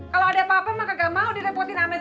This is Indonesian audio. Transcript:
kalau ada apa apa maka gak mau direpotin amin